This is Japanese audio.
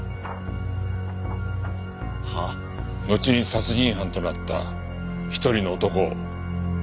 のちに殺人犯となった一人の男を。